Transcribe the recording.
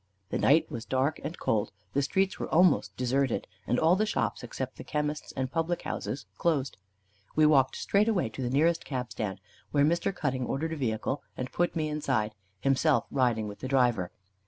The night was dark and cold, the streets were almost deserted, and all the shops except the chemists' and the public houses closed. We walked straightway to the nearest cabstand, where Mr. Cutting ordered a vehicle, and put me inside, himself riding with the driver.